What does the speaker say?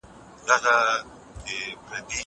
زه کولای سم مېوې وچوم!